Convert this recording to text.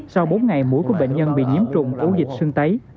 sau bốn ngày mũi của bệnh nhân bị nhiễm trùng ố dịch sưng tấy